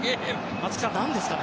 松木さん、何ですかね？